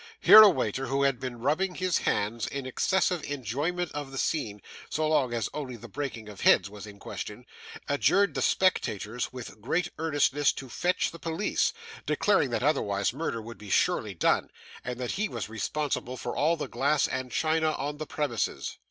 Here a waiter who had been rubbing his hands in excessive enjoyment of the scene, so long as only the breaking of heads was in question, adjured the spectators with great earnestness to fetch the police, declaring that otherwise murder would be surely done, and that he was responsible for all the glass and china on the premises.